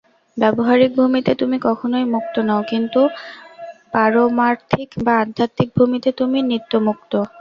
ব্যাবহারিক ভূমিতে তুমি কখনই মুক্ত নও, কিন্তু পারমার্থিক বা আধ্যাত্মিক ভূমিতে তুমি নিত্যমুক্ত।